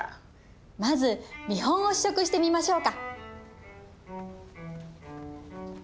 まず見本を試食してみましょうか。